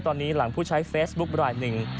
ตอนนี้หลังผู้ใช้เฟซบุ๊คลายหนึ่ง